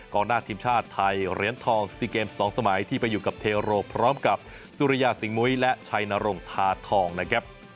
หน้าทีมชาติไทยเหรียญทอง๔เกม๒สมัยที่ไปอยู่กับเทโรพร้อมกับสุริยาสิงมุ้ยและชัยนรงทาทองนะครับ